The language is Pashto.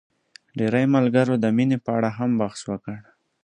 ډېری ملګرو د مينې په اړه هم بحث وکړ.